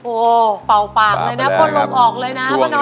โอ้เป่าปากเลยนะพ่อลงออกเลยนะพ่อน้อยนะ